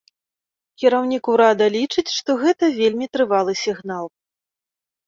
Кіраўнік урада лічыць, што гэта вельмі трывалы сігнал.